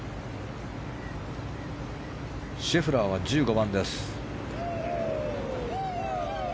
シェフラーは１５番です。